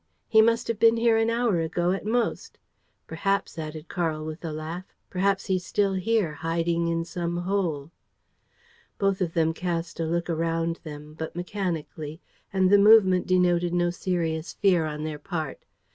He must have been here an hour ago at most. Perhaps," added Karl, with a laugh, "perhaps he's here still, hiding in some hole. ..." Both of them cast a look around them, but mechanically; and the movement denoted no serious fear on their part.